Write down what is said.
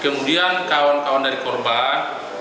kemudian kawan kawan dari korban